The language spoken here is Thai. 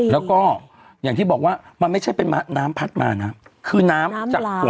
แล้วก็อย่างที่บอกว่ามันไม่ใช่เป็นน้ำพัดมานะคือน้ำจากหัว